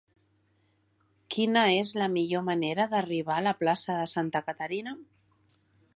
Quina és la millor manera d'arribar a la plaça de Santa Caterina?